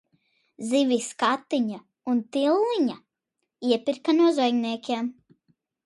Zivis Katiņa un Tilliņa iepirka no zvejniekiem.